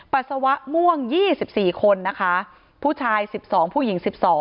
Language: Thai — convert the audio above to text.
ปัสสาวะม่วง๒๔คนนะคะผู้ชาย๑๒ผู้หญิง๑๒